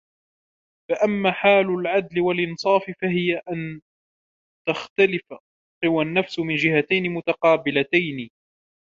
فَأَمَّا حَالُ الْعَدْلِ وَالْإِنْصَافِ فَهِيَ أَنْ تَخْتَلِفَ قُوَى النَّفْسِ مِنْ جِهَتَيْنِ مُتَقَابِلَتَيْنِ